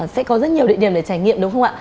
sẽ có rất nhiều địa điểm để trải nghiệm đúng không ạ